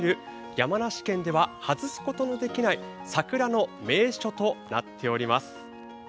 山梨県では外すことのできない桜の名所となっております。